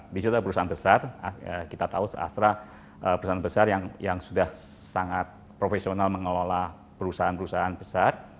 di situ adalah perusahaan besar kita tahu astra perusahaan besar yang sudah sangat profesional mengelola perusahaan perusahaan besar